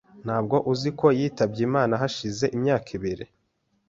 Ntabwo uzi ko yitabye Imana hashize imyaka ibiri?